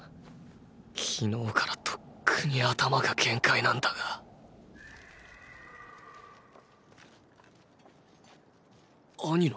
昨日からとっくに頭が限界なんだがアニの。